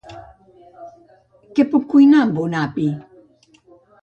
Què puc cuinar amb un api?